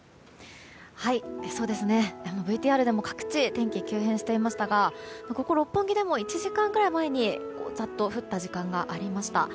ＶＴＲでも各地天気急変していましたがここ六本木でも１時間ぐらい前にザッと降った時間がありました。